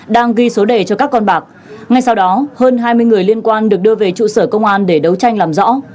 đang ghi số đề cho các con bạc ngay sau đó hơn hai mươi người liên quan được đưa về trụ sở công an để đấu tranh làm rõ